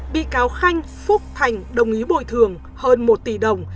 bị cáo khanh phúc thành đồng ý bồi thường hơn một tỷ đồng